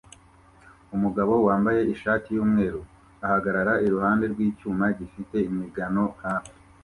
Umugabo wambaye ishati yumweru ahagarara iruhande rwicyuma gifite imigano hafi